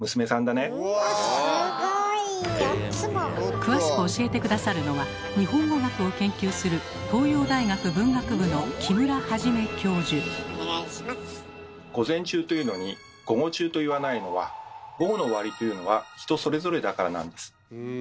詳しく教えて下さるのは日本語学を研究する「午前中」と言うのに「午後中」と言わないのは午後の終わりというのは人それぞれだからなんです。